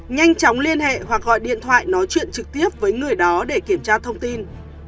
nhanh chóng liên hệ hoặc gọi điện thoại nói chuyện trực tiếp với người đó để kiểm tra thông tin